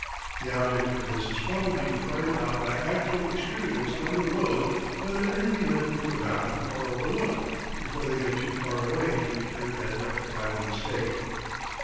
The object of this is probably to find out by actual experience on the road whether anything has been forgotten or overlooked, before they get too far away to return and rectify the mistake.